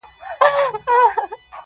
بيا وايم زه، يو داسې بله هم سته~